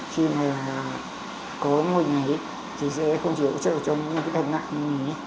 khi mà có môi mình thì sẽ không chỉ là hỗ trợ cho những người khuyết tật nặng